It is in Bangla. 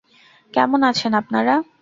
কেমন আছেন আপনারা?